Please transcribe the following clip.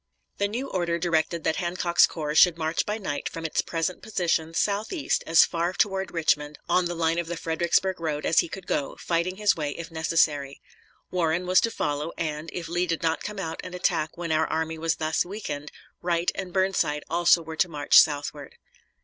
The new order directed that Hancock's corps should march by night from its present position southeast as far toward Richmond on the line of the Fredericksburg road as he could go, fighting his way if necessary. Warren was to follow, and, if Lee did not come out and attack when our army was thus weakened, Wright and Burnside also were to march southward.